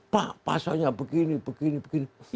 pak pasoknya begini begini begini